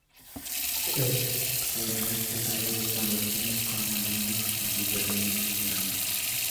Es en este período cuando tiene como alumnas a Guillermina Medrano.